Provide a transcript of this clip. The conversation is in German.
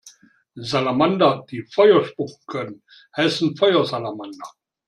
Salamander, die Feuer spucken können, heißen Feuersalamander.